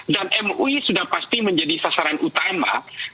dan mui sudah pasti menjadi sasaran utama